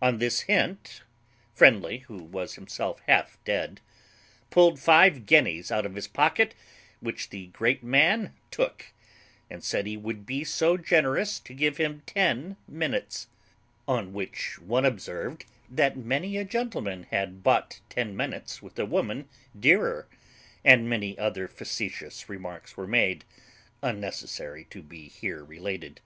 On this hint, Friendly, who was himself half dead, pulled five guineas out of his pocket, which the great man took, and said he would be so generous to give him ten minutes; on which one observed that many a gentleman had bought ten minutes with a woman dearer, and many other facetious remarks were made, unnecessary to be here related.